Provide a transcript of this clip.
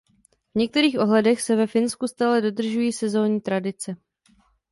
V některých ohledech se ve Finsku stále dodržují sezónní tradice.